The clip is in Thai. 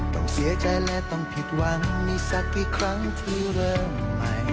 ต้องเสียใจและต้องผิดหวังนี่สักกี่ครั้งที่เริ่มใหม่